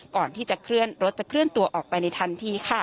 ก่อนที่รถจะเคลื่อนตัวออกไปในทันที่